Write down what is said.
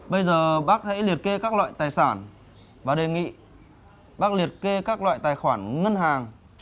bây giờ bác hãy liệt kê các loại tài sản và đề nghị bác liệt kê các loại tài khoản ngân hàng